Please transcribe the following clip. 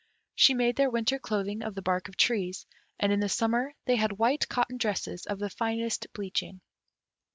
She made their winter clothing of the bark of trees, and in the summer they had white cotton dresses of the finest bleaching.